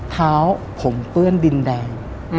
เท้าผมเปื้อนดินแดง